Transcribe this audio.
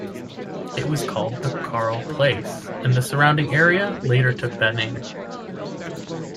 It was called the "Carle Place", and the surrounding area later took the name.